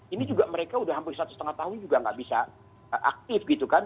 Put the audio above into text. ini juga mereka udah hampir satu setengah tahun juga nggak bisa aktif gitu kan